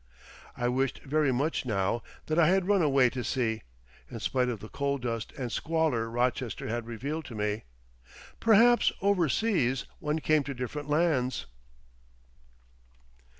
I wished very much now that I had run away to sea, in spite of the coal dust and squalour Rochester had revealed to me. Perhaps over seas one came to different lands.